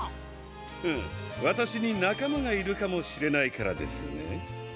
フンわたしになかまがいるかもしれないからですね？